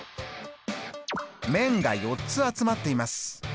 面が４つ集まっています。